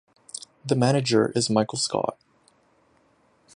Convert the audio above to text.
The manager is Michael Scott.